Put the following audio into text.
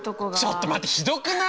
ちょっと待ってひどくない！？